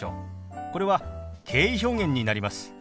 これは敬意表現になります。